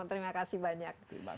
terima kasih banyak